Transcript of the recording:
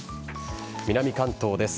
南関東です。